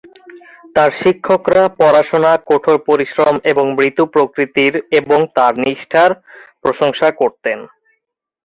তাঁর শিক্ষকরা পড়াশোনা, কঠোর পরিশ্রম এবং মৃদু প্রকৃতির এবং তাঁর নিষ্ঠার প্রশংসা করতেন।